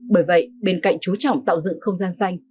bởi vậy bên cạnh chú trọng tạo dựng không gian xanh